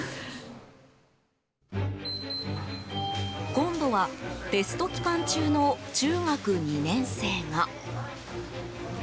今度はテスト期間中の中学２年生が。